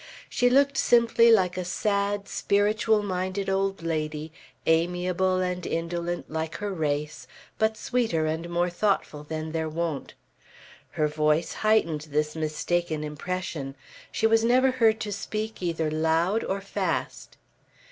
She looked simply like a sad, spiritual minded old lady, amiable and indolent, like her race, but sweeter and more thoughtful than their wont. Her voice heightened this mistaken impression. She was never heard to speak either loud or fast.